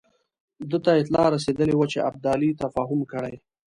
ده ته اطلاع رسېدلې وه چې ابدالي تفاهم کړی.